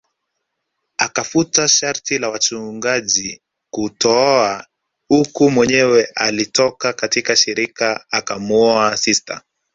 Akafuta sharti la wachungaji kutooa uku Mwenyewe alitoka katika shirika akamuoa sista